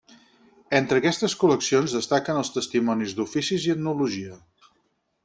Entre aquestes col·leccions destaquen els testimonis d’oficis i etnologia.